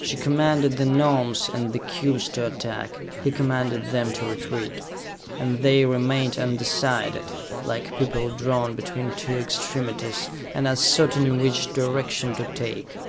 She commanded the Gnomes and the cubes to attack, he commanded them to retreat, and they remained undecided, like people drawn between two extremities, and uncertain which direction to take.